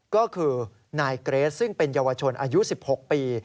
ก็คือนายเกรสซึ่งเป็นเยาวชนอายุ๑๖ปี